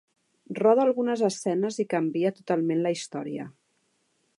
Roda algunes escenes i canvia totalment la història.